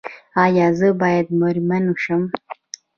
ایا زه باید میرمن شم؟